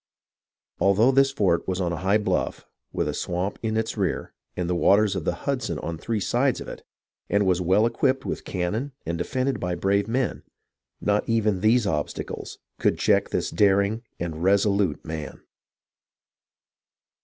Although this fort was on a high bluff, with a swamp in its rear, and the waters of the Hudson on three sides of it, and was well equipped with cannon and de fended by brave men, not even these obstacles could check this daring and resolute man.